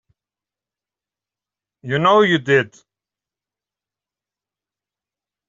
You know you did.